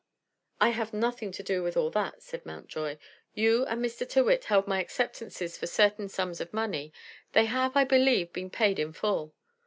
"I have nothing to do with all that," said Mountjoy; "you and Mr. Tyrrwhit held my acceptances for certain sums of money. They have, I believe, been paid in full."